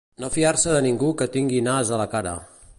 No fiar-se de ningú que tingui nas a la cara.